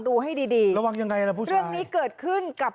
ดูให้ดีดีระวังยังไงล่ะพูดดีเรื่องนี้เกิดขึ้นกับ